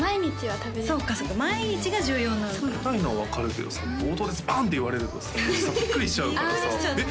食べたいのは分かるけどさ冒頭でズバーンって言われるとさサックリしちゃうからさえっ？